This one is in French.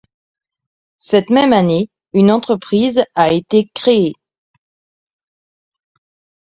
Cette même année, une entreprise a été créée.